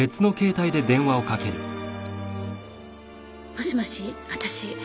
もしもし私。